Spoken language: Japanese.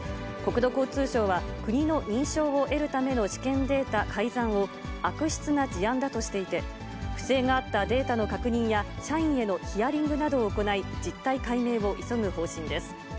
国土交通省は、国の認証を得るための試験データ改ざんを、悪質な事案だとしていて、不正があったデータの確認や、社員へのヒアリングなどを行い、実態解明を急ぐ方針です。